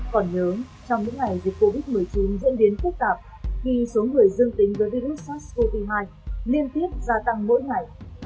còn nhớ trong những ngày dịch covid một mươi chín diễn biến phức tạp khi số người dương tính với virus sars cov hai liên tiếp gia tăng mỗi ngày